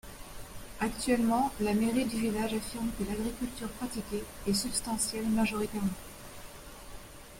Actuellement, la mairie du village affirme que l'agriculture pratiquée est substantielle majoritairement.